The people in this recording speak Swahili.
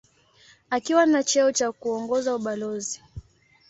Akiwa na cheo cha kuongoza ubalozi.